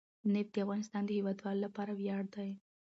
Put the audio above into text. نفت د افغانستان د هیوادوالو لپاره ویاړ دی.